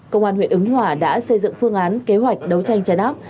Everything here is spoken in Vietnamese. công an huyện ứng hòa đã xây dựng phương án kế hoạch đấu tranh chán ác